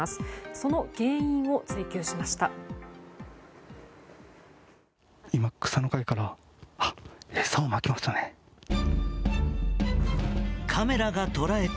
その原因を追究しました。